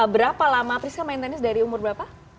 berapa lama priska main tenis dari umur berapa